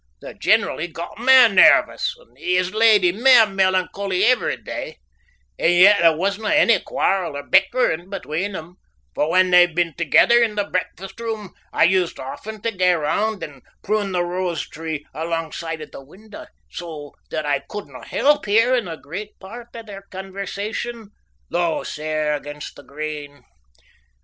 The general he got mair nairvous, and his leddy mair melancholy every day, and yet there wasna any quarrel or bickering between them, for when they've been togither in the breakfast room I used often tae gang round and prune the rose tree alongside o' the window, so that I couldna help hearin' a great pairt o' their conversation, though sair against the grain.